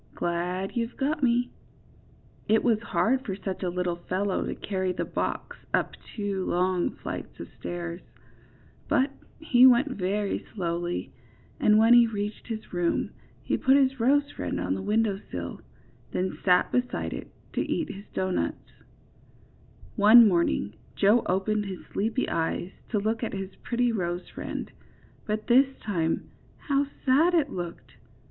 glad you've got me! " It was hard for such a little fellow to carry the box up two long flights of stairs; but he went very slowly, and, when he reached his room, he put his rose friend on the window sill, then sat beside it to eat his doughnuts. JOE'S ROSEBUSH. 31 One morning Joe opened his sleepy eyes to look at his pretty rose friend, but this time how sad it looked!